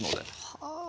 はあ。